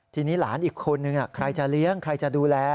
ทีนี้หลานอีกคนนึงใครจะเลี้ยงใครจะดูแล